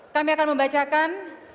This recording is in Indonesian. kami akan membacakan